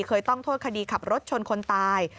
เคยต้องโทษคดีขับรถชนคนตาย